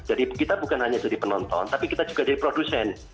jadi kita bukan hanya jadi penonton tapi kita juga jadi produsen